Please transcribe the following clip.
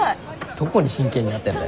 どこに真剣になってんだよ。